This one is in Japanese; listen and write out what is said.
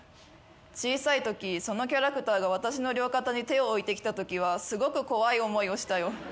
小さいときそのキャラクターが私の両肩に手を置いてきたときはすごく怖い思いをしたよ。